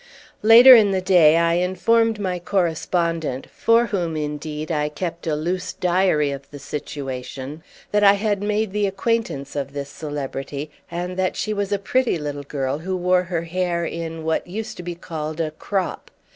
Later in the day I informed my correspondent, for whom indeed I kept a loose diary of the situation, that I had made the acquaintance of this celebrity and that she was a pretty little girl who wore her hair in what used to be called a crop.